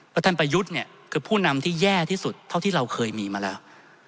ท่านประยุทธ์เนี่ยคือผู้นำที่แย่ที่สุดเท่าที่เราเคยมีมาแล้ว